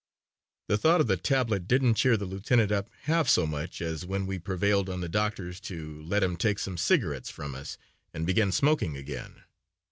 '" The thought of the tablet didn't cheer the lieutenant up half so much as when we prevailed on the doctors to let him take some cigarettes from us and begin smoking again.